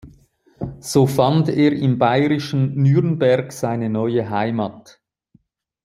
So fand er im bayerischen Nürnberg seine neue Heimat.